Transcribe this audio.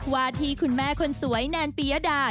ว่าที่คุณแม่คนสวยแนนปียดา